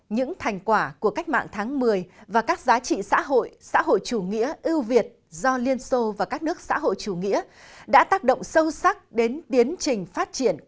những thành quả của cách mạng tháng một mươi và các giá trị xã hội xã hội chủ nghĩa ưu việt do liên xô và các nước xã hội chủ nghĩa đã tác động sâu sắc đến tiến trình phát triển